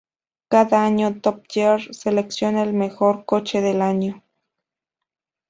Cada año, "Top Gear" selecciona el mejor coche del año.